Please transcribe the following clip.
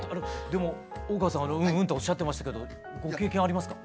でも大川さん「うんうん」とおっしゃってましたけどご経験ありますか？